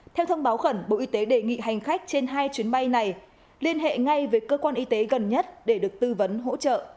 theo thông báo khẩn bộ y tế đề nghị hành khách trên hai chuyến bay này liên hệ ngay với cơ quan y tế gần nhất để được tư vấn hỗ trợ